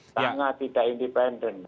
sangat tidak independen